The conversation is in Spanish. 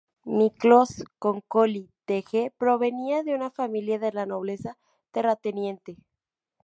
Miklós Konkoly-Thege provenía de una familia de la nobleza terrateniente.